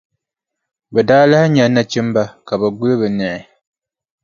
Bɛ daa lahi nya nachimba ka bɛ guli bɛ niɣi.